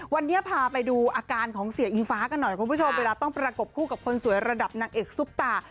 วันนี้พาไปดูอาการของเสียอิงฟ้ากันหน่อยคุณผู้ชมเวลาต้องประกบคู่กับคนสวยระดับนางเอกซุปตา